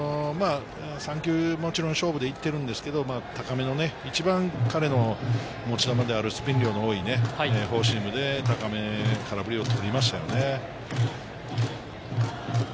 ３球、もちろん勝負で行ってるんですけれど、高めの一番、彼の持ち球である、スピン量の多いフォーシームで高めで空振りを取りましたよね。